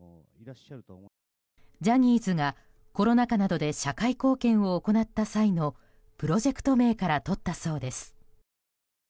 ジャニーズがコロナ禍などで社会貢献を行った際のプロジェクト名からとったそうです。